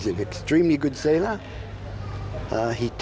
คุณเป็นประสบวนที่ได้จำนัท